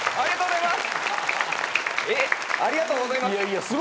ありがとうございます。